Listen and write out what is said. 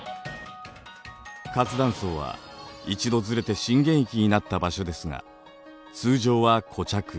活断層は一度ずれて震源域になった場所ですが通常は固着